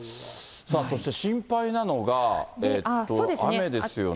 さあそして、心配なのが雨ですよね。